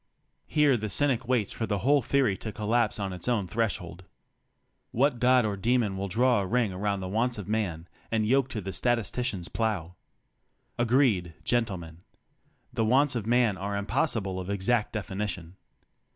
Here the cynic waits for the whole theory to collapse on its own threshold. What god or demon will draw a ring around the wants of man and yoke to the statistician's plow? Agreed, gentlemen. The wants of man are impossible of exact definition.